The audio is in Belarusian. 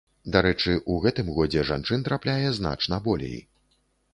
Дарэчы, у гэтым годзе жанчын трапляе значна болей.